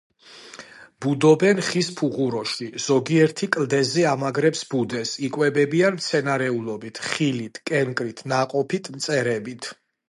ბუდობენ ხის ფუღუროში, ზოგიერთი კლდეზე ამაგრებს ბუდეს, იკვებებიან მცენარეულობით, ხილით, კენკრით, ნაყოფით, მწერებით.